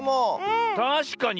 たしかに。